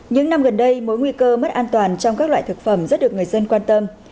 những năm gần đây mối nguy cơ mất an toàn trong các loại thực phẩm rất được người dân quan tâm